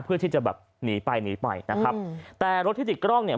เพื่อที่จะแบบหนีไปหนีไปนะครับแต่รถที่ติดกล้องเนี่ย